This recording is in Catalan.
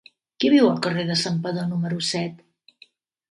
Qui viu al carrer de Santpedor número set?